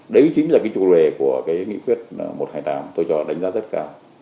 đấy chính là cái chủ đề của cái nghị quyết một trăm hai mươi tám tôi cho đánh giá rất cao